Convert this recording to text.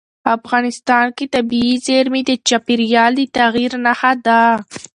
افغانستان کې طبیعي زیرمې د چاپېریال د تغیر نښه ده.